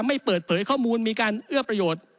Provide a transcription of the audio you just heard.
ไม่เปิดเผยข้อมูลมีการเอื้อประโยชน์